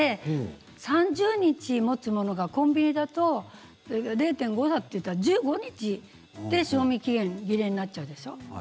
３０日もつものがコンビニだと０．５だといったら１５日で賞味期限切れになっちゃうでしょう？